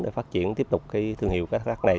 để phát triển tiếp tục thương hiệu cá thác lát này